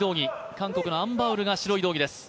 韓国のアン・バウルが白い道着です